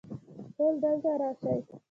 ټول دلته راشئ